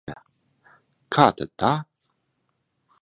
Kā tad tā?